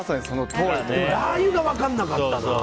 ラー油が分からなかった。